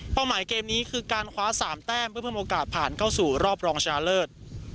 หมายเกมนี้คือการคว้า๓แต้มเพื่อเพิ่มโอกาสผ่านเข้าสู่รอบรองชนะเลิศ